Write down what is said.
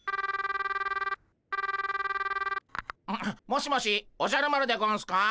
☎もしもしおじゃる丸でゴンスか？